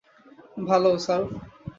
ভালো, স্যার।